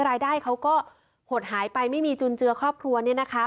รายได้เขาก็หดหายไปไม่มีจุนเจือครอบครัวเนี่ยนะคะ